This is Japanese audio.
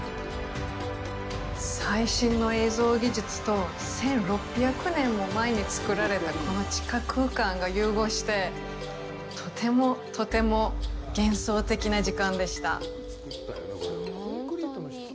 最新の映像技術と１６００年も前に造られたこの地下空間が融合して、とてもとても幻想的な時間でした。